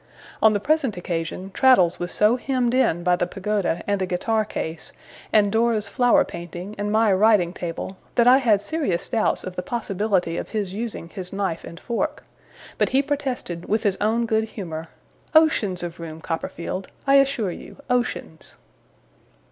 On the present occasion, Traddles was so hemmed in by the pagoda and the guitar case, and Dora's flower painting, and my writing table, that I had serious doubts of the possibility of his using his knife and fork; but he protested, with his own good humour, 'Oceans of room, Copperfield! I assure you, Oceans!